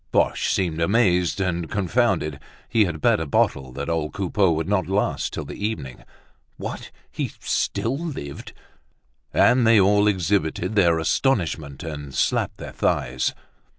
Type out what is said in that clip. Boche seemed amazed and confounded; he had bet a bottle that old Coupeau would not last till the evening. What! He still lived! And they all exhibited their astonishment, and slapped their thighs.